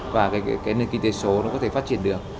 và cái nền kinh tế số nó có thể phát triển được